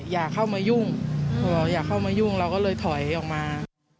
อยากเข้ามายุ่งเราก็เลยถอยออกมา